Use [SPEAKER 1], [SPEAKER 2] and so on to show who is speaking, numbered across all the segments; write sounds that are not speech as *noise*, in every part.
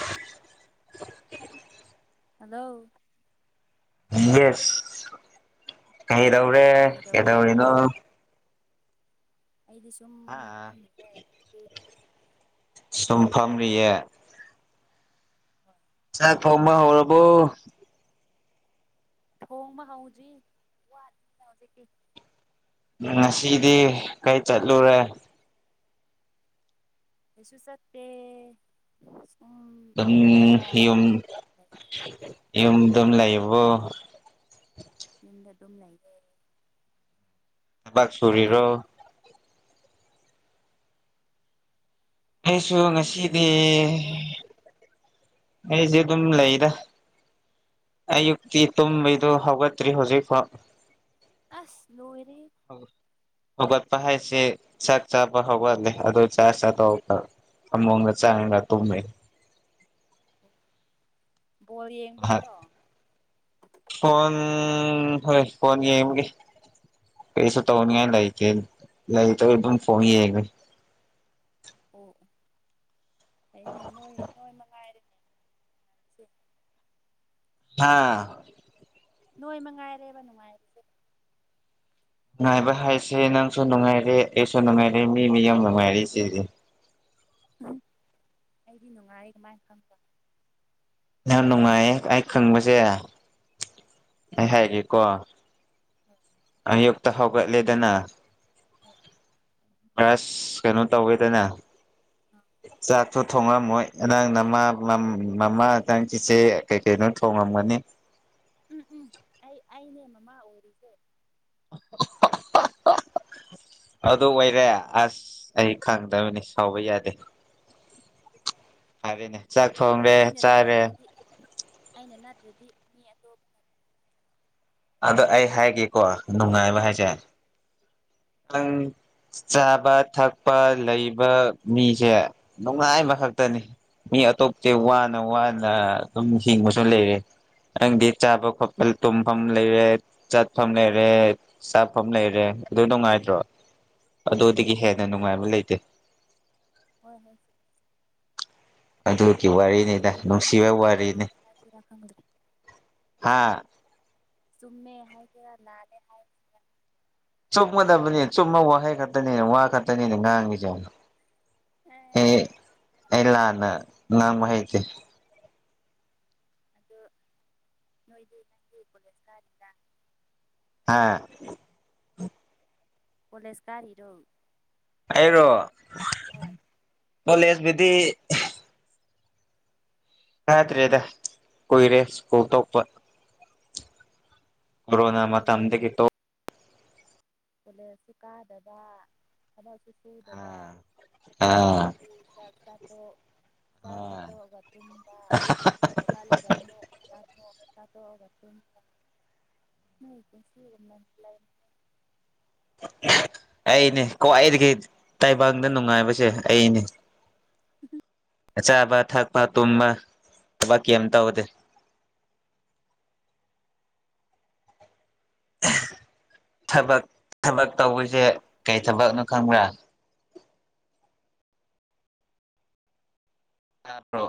[SPEAKER 1] *inaudible*
[SPEAKER 2] hello
[SPEAKER 1] yes ꯀꯩꯗꯧꯔꯦ
[SPEAKER 2] ꯀꯩꯗꯧꯔꯤꯒꯦ
[SPEAKER 1] ꯀꯩꯗꯧꯔꯤꯅꯣ
[SPEAKER 2] ꯑꯩꯗꯤ ꯁꯨꯝ
[SPEAKER 1] ꯍꯥꯥ
[SPEAKER 2] ꯐꯝꯃꯤꯌꯦ ꯅꯪꯗꯤ
[SPEAKER 1] ꯁꯨꯝꯐꯝꯃꯤꯌꯦ ꯊꯣꯡꯕ ꯍꯧꯔꯕꯣ
[SPEAKER 2] ꯊꯣꯡꯕ ꯍꯥꯎꯗ꯭ꯔꯤ ꯋꯥꯠꯂꯤꯅ ꯍꯧꯖꯤꯛꯇꯤ
[SPEAKER 1] ꯉꯁꯤꯗꯤ ꯀꯩ ꯆꯠꯂꯨꯔꯦ
[SPEAKER 2] ꯀꯩꯁꯨ ꯆꯠꯇꯦ ꯁꯨꯝ
[SPEAKER 1] ꯑꯗꯨꯝ
[SPEAKER 2] ꯌꯨꯝꯗ
[SPEAKER 1] ꯌꯨꯝ
[SPEAKER 2] ꯂꯩꯌꯦ ꯑꯗꯨꯝ
[SPEAKER 1] ꯌꯨꯝꯗꯨꯝ ꯂꯩꯕꯣ
[SPEAKER 2] ꯌꯨꯝꯗ ꯑꯗꯨꯝ ꯂꯩꯌꯦ
[SPEAKER 1] ꯊꯕꯛ
[SPEAKER 2] ꯅꯪꯗꯤ
[SPEAKER 1] ꯁꯨꯔꯤꯔꯣ ꯑꯩꯁꯨ
[SPEAKER 2] ꯅꯪꯗꯤ
[SPEAKER 1] ꯉꯁꯤꯗꯤ
[SPEAKER 2] ꯀꯥꯏ ꯆꯠꯂꯨꯔꯦ
[SPEAKER 1] ꯑꯩꯁꯦ ꯑꯗꯨꯝ ꯂꯩꯗꯥ ꯑꯌꯨꯛꯇꯤ ꯇꯨꯝꯕꯩꯗꯣ ꯍꯧꯒꯠꯇ꯭ꯔꯤ ꯍꯧꯖꯤꯛ ꯐꯥꯎ
[SPEAKER 2] ꯑꯁ ꯂꯣꯏꯔꯦꯍꯦ
[SPEAKER 1] ꯍꯧꯒꯠꯄ ꯍꯥꯏꯁꯤ ꯆꯥꯛ ꯆꯥꯕ ꯍꯧꯒꯠꯂꯦ ꯑꯗꯨ ꯆꯥ ꯆꯥꯊꯣꯛ ꯑꯒ ꯐꯃ‌ꯣꯡꯗ ꯆꯪꯉꯒ ꯇꯣꯃꯦ
[SPEAKER 2] ꯕꯣꯜ
[SPEAKER 1] ꯉꯥꯏꯍꯥꯛ
[SPEAKER 2] ꯌꯦꯡꯕꯩꯔꯣ
[SPEAKER 1] ꯎꯝ ꯍꯣꯏ ꯄꯣꯟ ꯌꯦꯡꯕꯒꯤ ꯀꯩꯁꯨ ꯇꯧꯅꯤꯉꯥꯏ ꯂꯩꯇ‌ꯦ ꯂꯥꯏꯇꯕꯩ ꯑꯗꯨꯝ ꯐꯣꯟ ꯌꯦꯉꯤ
[SPEAKER 2] ꯑꯣ ꯑꯩꯅꯦ ꯅꯣꯏ ꯅꯣꯏ ꯃꯉꯥꯏꯔ‌ꯦ *unintelligible*
[SPEAKER 1] ꯍꯥꯥ
[SPEAKER 2] ꯅꯣꯏ ꯃꯉꯥꯏꯔꯦꯕ ꯅꯨꯡꯉꯥꯏꯔꯤꯁꯦ
[SPEAKER 1] ꯅꯨꯡꯉꯥꯏꯕ ꯍꯥꯏꯁꯦ ꯅꯪꯁꯨ ꯅꯨꯡꯉꯥꯏꯔꯦ ꯑꯩꯁꯨ ꯅꯨꯡꯉꯥꯏꯔꯦ ꯃꯤ ꯃꯤ ꯌꯥꯝ ꯅꯨꯡꯉꯥꯏꯔ ꯁꯤꯗꯤ
[SPEAKER 2] ꯑꯩꯗꯤ ꯅꯨꯡꯉꯥꯏꯌꯦ ꯀꯃꯥꯏꯅ ꯈꯪꯕ
[SPEAKER 1] ꯌꯥꯝ ꯅꯨꯡꯉꯥꯏꯌꯦ ꯑꯩ ꯈꯪꯕꯁꯦ ꯑꯩ ꯍꯥꯏꯒꯦꯀꯣ
[SPEAKER 2] ꯍꯣꯏ
[SPEAKER 1] ꯑꯌꯨꯛꯇ ꯍꯧꯒꯠꯂꯦꯗꯅ
[SPEAKER 2] ꯍꯦꯏ
[SPEAKER 1] ꯄꯔ꯭ꯁ ꯀꯩꯅꯣ ꯇꯧꯋꯦꯗꯅ
[SPEAKER 2] ꯎꯝ
[SPEAKER 1] ꯆꯥꯛ ꯁꯨ ꯊꯣꯡꯉꯝꯃꯣꯏ ꯅꯪ ꯅꯃꯥ ꯃꯃꯥ ꯍꯆꯥꯡꯁꯤꯁꯦ ꯀꯩ ꯀꯩꯅꯣ ꯊꯣꯡꯉꯝꯒꯅꯤ *inaudible*
[SPEAKER 2] ꯎꯝ ꯎꯝ ꯑꯩ ꯑꯩꯅꯦ ꯃꯃꯥ ꯑꯣꯔꯤꯁꯦ
[SPEAKER 1] *inaudible* ꯑꯗꯨ ꯑꯣꯏꯔꯦ ꯑꯁ ꯑꯩ ꯈꯪꯗꯕꯅꯤ ꯁꯥꯎꯕ ꯌꯥꯗꯦ ꯐꯥꯔꯦꯅꯦ
[SPEAKER 2] ꯑꯩꯅ ꯑꯩꯅ ꯊꯣꯡꯗ꯭ꯔꯗꯤ ꯑꯩꯅ ꯅꯠꯇꯗꯤ ꯃꯤꯑꯇꯣꯞꯅꯥ
[SPEAKER 1] ꯑꯗ ꯑꯩ ꯍꯥꯏꯒꯦꯀꯣ ꯅꯨꯡꯉꯥꯏꯕ ꯍꯥꯏꯁꯦ ꯅꯪ ꯆꯥꯕ ꯊꯛꯄ ꯂꯩꯕ ꯃꯤꯁꯦ ꯅꯨꯡꯉꯥꯏ ꯑꯃꯈꯛꯇꯅꯤ ꯃꯤ ꯑꯇꯣꯞꯇꯦ ꯋꯥꯅ ꯋꯥꯅ ꯑꯗꯨꯝ ꯍꯤꯡꯕꯁꯨ ꯂꯩꯔꯦ ꯅꯡꯗꯤ ꯆꯥꯕꯥ ꯈꯣꯠꯄ ꯇꯨꯝꯕꯥꯝ ꯐꯝ ꯂꯩꯔꯦ ꯆꯠꯐꯝ ꯂꯩꯔꯦ ꯆꯥꯐꯝ ꯂꯩꯔꯦ ꯑꯗꯨ ꯅꯨꯡꯉꯥꯏꯇ꯭ꯔꯣ ꯑꯗꯨꯗꯒꯤ ꯍꯦꯟꯅ ꯅꯨꯡꯉꯥꯏꯕ ꯂꯩꯇꯦ
[SPEAKER 2] ꯍꯣꯏ ꯍꯣꯏ
[SPEAKER 1] ꯑꯗꯨ ꯋꯥꯔꯤꯅꯤꯗ
[SPEAKER 2] ꯆꯨꯝꯃꯦ ꯆꯨꯝꯃꯦ ꯆꯨꯝꯃꯦ
[SPEAKER 1] ꯅꯨꯡꯁꯤꯕ
[SPEAKER 2] ꯍꯥꯏꯁꯤꯔꯥ
[SPEAKER 1] ꯋꯥꯔꯤꯅꯤ
[SPEAKER 2] ꯂꯥꯜꯂꯦ ꯍꯥꯏꯁꯤꯔꯥ ꯈꯪꯗ꯭ꯔꯦ
[SPEAKER 1] ꯍꯥ
[SPEAKER 2] ꯆꯨꯃꯦ ꯍꯥꯏꯒꯔ ꯂꯥꯂꯦ ꯍꯥꯏꯔ
[SPEAKER 1] ꯆꯨꯞꯒꯗꯕꯅꯤ ꯆꯨꯃꯕꯥ ꯋꯥꯍꯩ ꯈꯛꯇꯅꯤꯅꯦ ꯋꯥ ꯈꯛꯇꯅꯤꯅꯦ ꯉꯥꯡꯉꯁꯦ
[SPEAKER 2] ꯑꯦ
[SPEAKER 1] ꯑꯥ
[SPEAKER 2] ꯆꯨꯝꯗꯤ ꯆꯨꯝꯕ
[SPEAKER 1] ꯑꯩꯂꯥꯅꯥ ꯉꯥꯡꯕꯥꯍꯤꯇꯦ
[SPEAKER 2] ꯑꯗꯨ ꯅꯣꯏꯗꯤ ꯅꯪꯒꯤ ꯀꯣꯂꯦ ꯁꯥꯔꯤꯗ
[SPEAKER 1] ꯍꯥꯥ
[SPEAKER 2] ꯑꯣꯂꯦ ꯏꯁ ꯀꯥꯔ ꯏꯔꯣ
[SPEAKER 1] ꯑꯩꯔꯣ
[SPEAKER 2] ꯍꯣꯏ
[SPEAKER 1] ꯑꯣ ꯂꯩꯦꯁꯕꯤꯗꯤ ꯐꯠꯇ꯭ꯔꯦꯗ ꯀꯨꯏꯔꯦ ꯁ꯭ꯀꯨꯜ ꯇꯣꯛꯄ ꯀꯣꯅꯥ ꯃ
[SPEAKER 2] ꯑꯁ
[SPEAKER 1] ꯃꯇꯝ ꯑꯗꯒꯤ
[SPEAKER 2] ꯀꯣꯂꯦꯖ
[SPEAKER 1] ꯀꯦ ꯇꯣ
[SPEAKER 2] ꯀꯣꯂꯦꯖꯁꯨ ꯀꯥꯗꯕ ꯊꯨ ꯁꯨꯗꯕ
[SPEAKER 1] ꯑꯥ
[SPEAKER 2] ꯑꯗꯨꯒꯤ ꯆꯇꯥꯄ ꯆꯇ ꯇꯨꯝꯗ ꯍ ꯂ ꯃ ꯆ ꯇꯣꯀꯑꯒꯥ ꯇꯨꯝꯕꯥ ꯅꯣꯏ ꯄꯨꯟꯁꯤ ꯒꯨꯝꯅ ꯂꯩ
[SPEAKER 1] ꯑꯩꯅꯦ ꯈ꯭ꯋꯥꯏꯗꯒꯤ ꯇꯥꯏꯕꯪꯗ ꯅꯨꯡꯉꯥꯏꯕꯁꯦ ꯑꯩꯅꯦ
[SPEAKER 2] ꯎꯝ
[SPEAKER 1] ꯆꯥꯕ ꯊꯛꯄ ꯇꯨꯝꯕ ꯊꯕꯛ ꯀꯔꯤꯝ ꯇꯧꯗꯦ ꯊꯕꯛ ꯊꯕꯛ ꯇꯧꯕꯁꯦ ꯀꯩ ꯊꯕꯛꯅꯣ ꯈꯪꯕ꯭ꯔꯥ ꯍꯥ꯭ꯔꯣ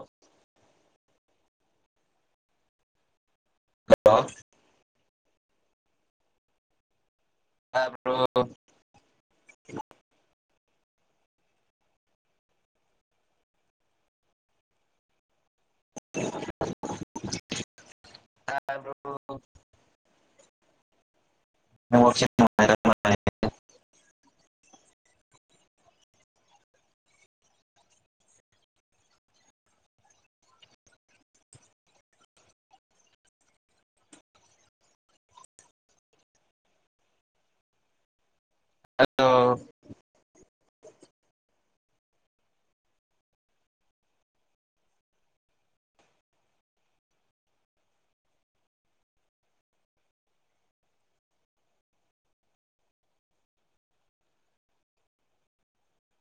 [SPEAKER 1] ꯍꯜꯂꯣ ꯇꯕ꯭ꯔꯣ ꯑ *unintelligible* ꯍꯜꯂꯣ